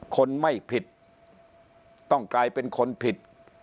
คนไม่ผิดต้องกลายเป็นคนผิด